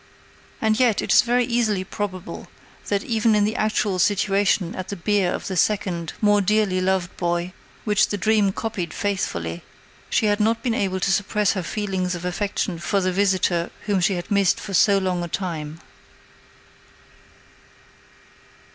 And yet, it is very easily probable that even in the actual situation at the bier of the second, more dearly loved boy, which the dream copied faithfully, she had not been able to suppress her feelings of affection for the visitor whom she had missed for so long a time.